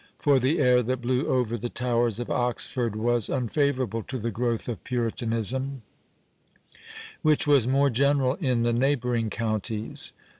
for the air that blew over the towers of Oxford was unfavourable to the growth of Puritanism, which was more general in the neighbouring counties.